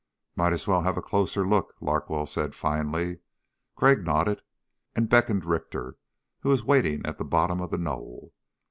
"Might as well have a closer look," Larkwell said finally. Crag nodded and beckoned Richter, who was waiting at the bottom of the knoll.